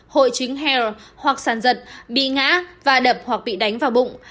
hội chứng hair hoặc sản dật bị ngã và đập hoặc bị đánh vào bụng